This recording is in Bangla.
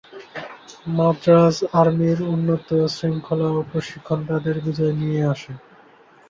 মাদ্রাজ আর্মির উন্নত শৃঙ্খলা ও প্রশিক্ষণ তাদের বিজয় নিয়ে আসে।